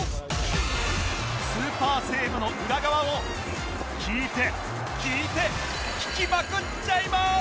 スーパーセーブの裏側を聞いて聞いて聞きまくっちゃいます！